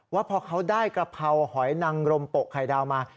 ว่าพอเขาได้กะเพราหอยนังรมโปะไข่ดาวมา